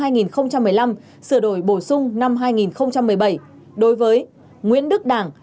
điều hai trăm hai mươi hai bộ luật hình sự năm hai nghìn một mươi năm sửa đổi bổ sung năm hai nghìn một mươi bảy đối với nguyễn đức đảng